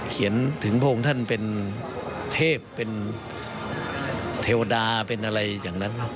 เขียนถึงพระองค์ท่านเป็นเทพเป็นเทวดาเป็นอะไรอย่างนั้น